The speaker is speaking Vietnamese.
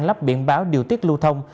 lắp biện báo điều tiết lưu thông